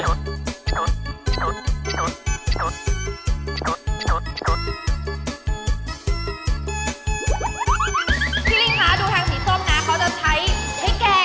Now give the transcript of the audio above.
ลิงคะดูทางสีส้มนะเขาจะใช้พริกแกง